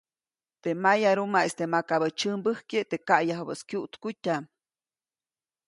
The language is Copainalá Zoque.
Teʼ mayarumaʼiste makabäʼ tsyämbäjkye teʼ kaʼubäʼis kyuʼtkutyaʼm.